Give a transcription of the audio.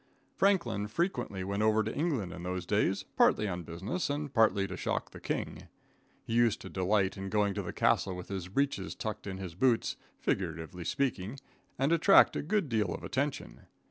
Franklin frequently went over to England in those days, partly on business, and partly to shock the king. He used to delight in going to the castle with his breeches tucked in his boots, figuratively speaking, and attract a good deal of attention.